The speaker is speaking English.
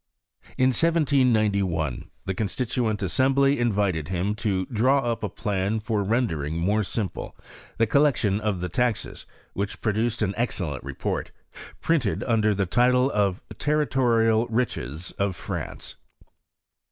In 1791 the Constituent Assembly invited him to draw up a plan for rendering more simple the collection of the taxes, which produced an ex cellent report, printed under the title of " Territorial Riches of France."